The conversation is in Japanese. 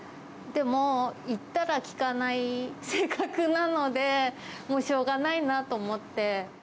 でも、言ったら聞かない性格なので、もうしょうがないなと思って。